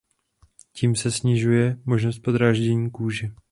Tím se snižuje možnost podráždění kůže.